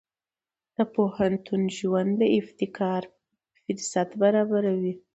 د پوهنتون ژوند د ابتکار فرصت برابروي.